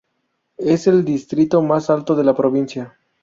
Es el distrito más alto de la provincia.